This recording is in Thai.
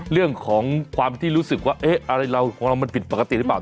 เรื่องของความที่รู้สึกว่าอะไรเราของเรามันผิดปกติหรือเปล่า